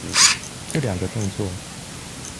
這兩個動作